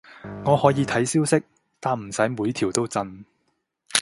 我可以睇消息，但唔使每條都震